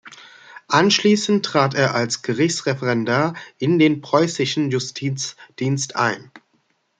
Anschließend trat er als Gerichtsreferendar in den preußischen Justizdienst ein.